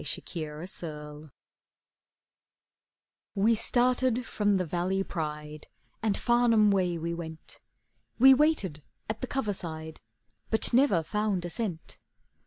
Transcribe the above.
THE OLD GRAY FOX We started from the Valley Pride, And Farnham way we went. We waited at the cover side, But never found a scent.